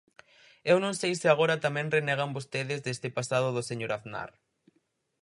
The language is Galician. Eu non sei se agora tamén renegan vostedes deste pasado do señor Aznar.